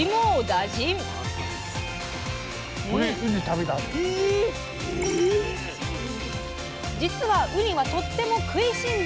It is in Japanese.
実はウニはとっても食いしん坊でアクティブ。